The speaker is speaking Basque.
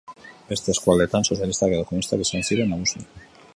Beste eskualdetan sozialistak edo komunistak izan ziren nagusi.